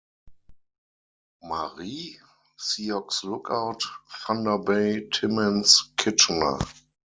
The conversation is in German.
Marie, Sioux Lookout, Thunder Bay, Timmins, Kitchener.